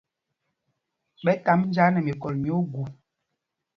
Ɓɛ tāmb njāā nɛ mikɔl mí ogu.